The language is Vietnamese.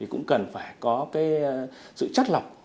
cũng cần phải có sự chất lọc